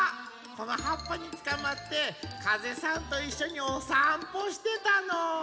このはっぱにつかまってかぜさんといっしょにおさんぽしてたの。